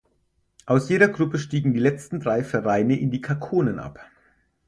Aus jeder Gruppe stiegen die letzten drei Vereine in die Kakkonen ab.